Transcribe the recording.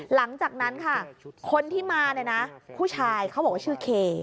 หลังจากนั้นค่ะคนที่มาเนี่ยนะผู้ชายเขาบอกว่าชื่อเค